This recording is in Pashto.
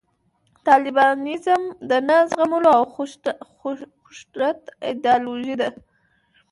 طالبانیزم د نه زغملو او د خشونت ایدیالوژي ده